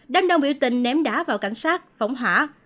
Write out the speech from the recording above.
đám đông biểu tình ném đá vào cảnh sát phóng hỏa